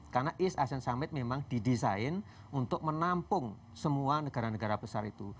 karena east asean summit memang didesain untuk menampung semua negara negara besar itu